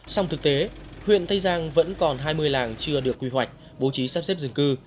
song thực tế huyện tây giang vẫn còn hai mươi làng chưa được quy hoạch bố trí sắp xếp dân cư